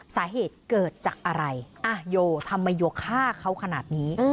สาเหตุเกิดจากอะไรโยทำไมโยฆ่าเขาขนาดนี้